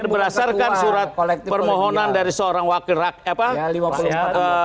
berdasarkan surat permohonan dari seorang wakil rakyat